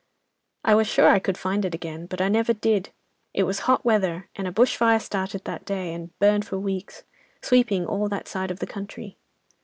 "'I was sure I could find it again. But I never did. It was hot weather, and a bush fire started that day, and burned for weeks, sweeping all that side of the country.